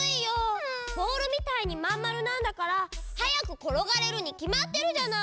ボールみたいにまんまるなんだからはやくころがれるにきまってるじゃない。